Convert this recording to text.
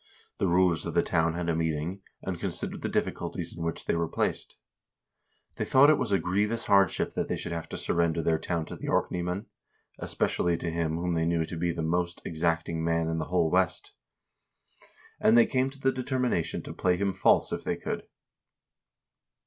The rulers of the town had a meeting, and considered the difficulties in which they were placed. They thought it a grievous hardship that they should have to surrender their town to the Orkneymen, especially to him whom they knew to be the most exact ing man in the whole West ; and they came to the determination to play him false if they could.